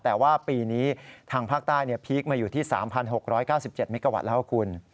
แต่ว่าปีนี้ทางภาคใต้พีคมาอยู่ที่๓๖๙๗เมกาวัตต์แล้วคุณ